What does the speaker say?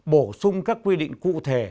bổ sung các quy định cụ thể